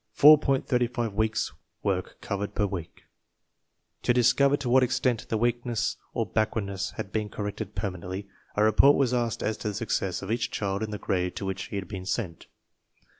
35 weeks' work covered per week To discover to what extent the weakness or backward ness had been corrected permanently, a report was asked as to the success of each child in the grade to which he had been sent.